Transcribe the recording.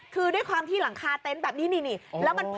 คือด้วยความที่หลังคาเตนทร์แบบนี้แล้วมันผัดไปครอบ